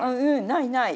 ないない。